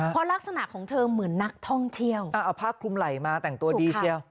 เพราะลักษณะของเธอเหมือนนักท่องเที่ยวเอาผ้าคลุมไหล่มาแต่งตัวดีเชียว